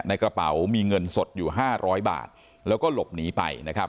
ในกระเป๋ามีเงินสดอยู่๕๐๐บาทแล้วก็หลบหนีไปนะครับ